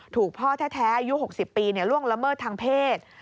พ่อแท้อายุ๖๐ปีล่วงละเมิดทางเพศ